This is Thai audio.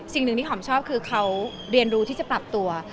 สิ่งหนึ่งที่หอมชอบคือเขาเรียนรู้ที่จะปรับตัว